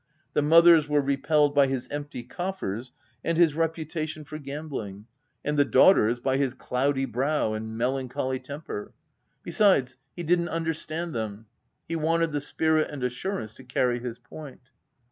The mothers were repelled by his empty coffers and his reputation for gambling, 54 THE TENANT and the daughters by his cloudy brow and me lancholy temper, — besides, he didn't understand them ; he wanted the spirit and assurance to carry his point.